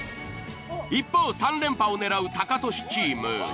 一方３連覇を狙うタカトシチーム。